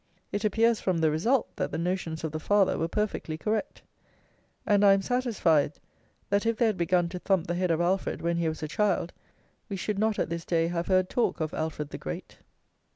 It appears from the result that the notions of the father were perfectly correct; and I am satisfied, that if they had begun to thump the head of Alfred when he was a child, we should not at this day have heard talk of Alfred the Great.